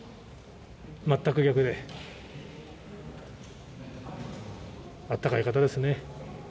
全く逆で、あったかい方ですね。